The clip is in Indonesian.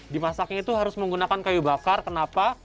dimasaknya itu harus menggunakan kayu bakar kenapa